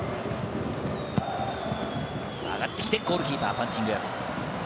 上がってきて、ゴールキーパー、パンチング。